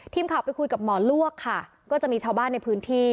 ทีมข่าวไปคุยกับหมอลวกค่ะก็จะมีชาวบ้านในพื้นที่